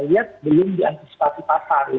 lihat belum diantisipasi pasar